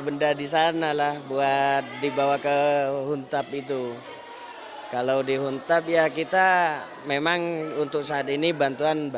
benda di sanalah buat dibawa ke hontap itu kalau di hontap ya kita memang untuk saat ini bantuan